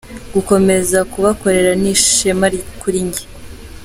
Gukomeza kubakorera ni ishema kuri njye".